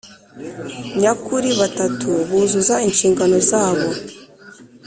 Nyakuri batatu buzuza inshingano zabo